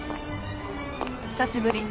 久しぶり。